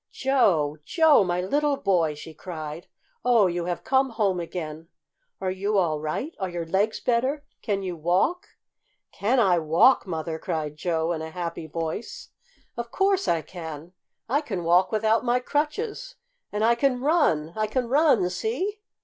"Joe! Joe, my little boy!" she cried. "Oh, you have come home again! Are you all right? Are your legs better? Can you walk?" "Can I walk, Mother!" cried Joe, in a happy voice. "Of course I can! I can walk without my crutches, and I can run! I can run! See!"